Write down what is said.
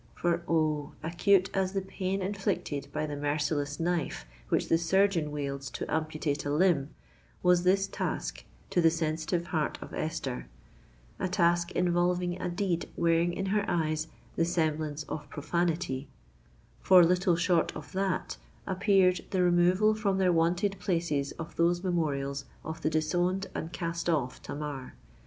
For, oh! acute as the pain inflicted by the merciless knife which the surgeon wields to amputate a limb, was this task to the sensitive heart of Esther,—a task involving a deed wearing in her eyes the semblance of profanity,—for little short of that appeared the removal from their wonted places of those memorials of the disowned and cast off Tamar.